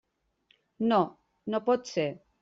No, no pot ser.